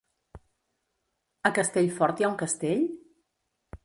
A Castellfort hi ha un castell?